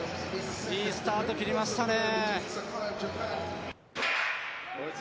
いいスタート切りましたね。